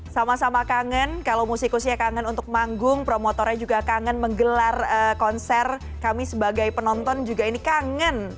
sama sama kangen kalau musikusnya kangen untuk manggung promotornya juga kangen menggelar konser kami sebagai penonton juga ini kangen